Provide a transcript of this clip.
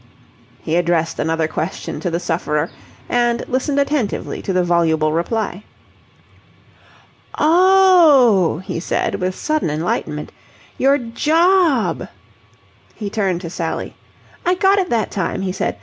He addressed another question to the sufferer, and listened attentively to the voluble reply. "Oh!" he said with sudden enlightenment. "Your job?" He turned to Sally. "I got it that time," he said.